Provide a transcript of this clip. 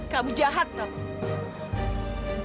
kamu jahat tau